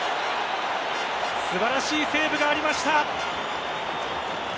素晴らしいセーブがありました。